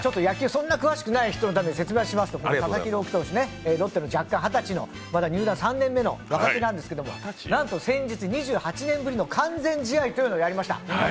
そんなに詳しくない人のために説明しますと、佐々木朗希投手、ロッテの弱冠二十歳の入団３年目の若手なんですけどなんと先日、２８年ぶりの完全試合というのをやりました。